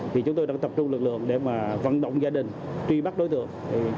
thì chúng tôi đã tập trung lực lượng để vận động gia đình truy bắt đối tượng